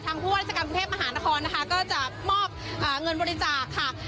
ทางผู้ว่าอาจารย์กรรมกรุงเทพมหานครนะคะก็จะมอบอ่าเงินบริจาคค่ะ